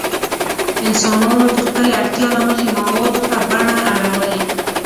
انسانانو د خپلې اړتیا له مخې موادو ته بڼه اړولې.